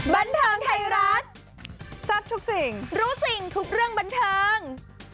บันเทิงไทยรัฐทรัพย์ทุกสิ่งรู้สิ่งทุกเรื่องบันเทิง